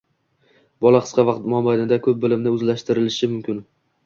bola qisqa vaqt mobaynida ko‘p bilimni o‘zlashtirishi mumkin.